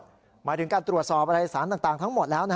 หมายถึงการตรวจสอบอะไรสารต่างทั้งหมดแล้ว